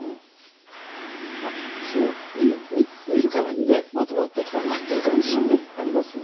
あっ見るからにねまとまってきたなという感じありますよね。